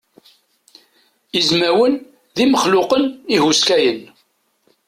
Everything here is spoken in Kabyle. Izmawen d imexluqen ihuskayen.